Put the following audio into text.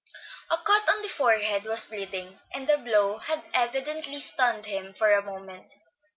A cut on the forehead was bleeding, and the blow had evidently stunned him for a moment.